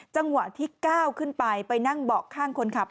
จังหวะที่ก้าวขึ้นไปไปนั่งเบาะข้างคนขับ